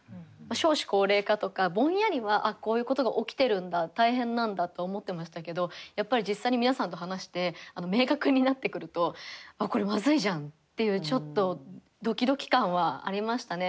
少子高齢化とかぼんやりはあっこういうことが起きてるんだ大変なんだと思ってましたけどやっぱり実際に皆さんと話して明確になってくるとこれまずいじゃんっていうちょっとドキドキ感はありましたね。